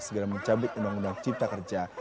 segera mencabut undang undang cipta kerja